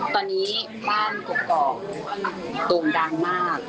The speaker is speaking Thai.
ตอนนี้บ้านกกอกโด่งดังมาก